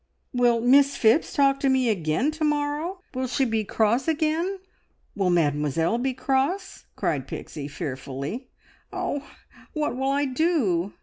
"Will Miss Phipps talk to me again to morrow? Will she be cross again? Will Mademoiselle be cross?" cried Pixie fearfully. "Oh, what will I do?